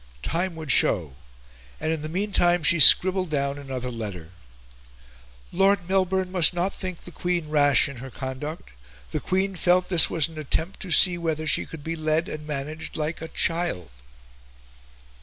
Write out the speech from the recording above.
Time would show; and in the meantime she scribbled down another letter. "Lord Melbourne must not think the Queen rash in her conduct... The Queen felt this was an attempt to see whether she could be led and managed like a child."